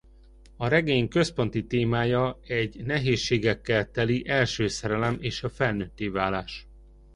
A regény központi témája egy nehézségekkel teli első szerelem és a felnőtté válás.